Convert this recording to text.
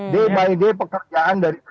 day by day pekerjaan dari